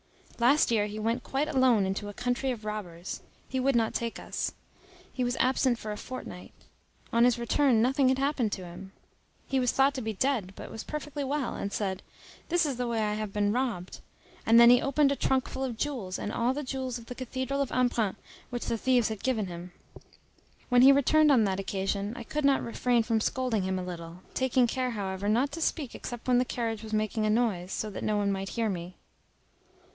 Last year he went quite alone into a country of robbers. He would not take us. He was absent for a fortnight. On his return nothing had happened to him; he was thought to be dead, but was perfectly well, and said, "This is the way I have been robbed!" And then he opened a trunk full of jewels, all the jewels of the cathedral of Embrun, which the thieves had given him. When he returned on that occasion, I could not refrain from scolding him a little, taking care, however, not to speak except when the carriage was making a noise, so that no one might hear me.